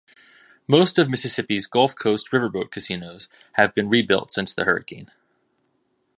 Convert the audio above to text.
Most of Mississippi's Gulf Coast riverboat casinos have been rebuilt since the hurricane.